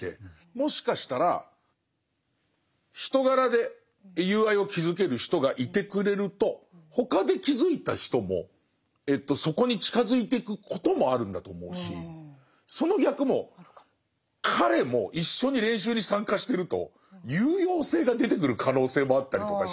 もしかしたら人柄で友愛を築ける人がいてくれると他で築いた人もそこに近づいてくこともあるんだと思うしその逆も彼も一緒に練習に参加してると有用性が出てくる可能性もあったりとかして。